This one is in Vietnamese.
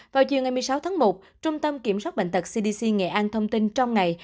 vào chiều ngày một mươi sáu tháng một trung tâm kiểm soát bệnh tật cdc nghệ an thông tin trong ngày